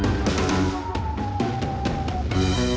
ไอ้เงียนไอ้เงียน